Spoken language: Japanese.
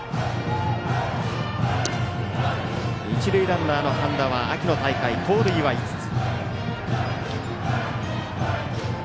一塁ランナーの半田は秋の大会盗塁は５つ。